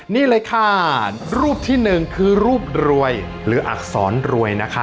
นี่เลยค่ะรูปที่หนึ่งคือรูปรวยหรืออักษรรวยนะคะ